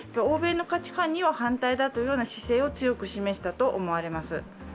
欧米の価値観には反対だという姿勢を強く示したと思われます。